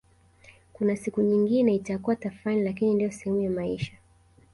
Kuna siku nyingine itakuwa tafrani lakini ndiyo sehemu ya maisha